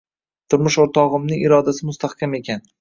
Turmush o`rtog`imning irodasi mustahkam ekan